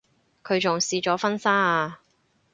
佢仲試咗婚紗啊